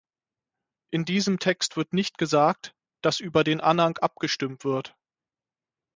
In diesem Text wird nicht gesagt, dass über den Anhang abgestimmt wird.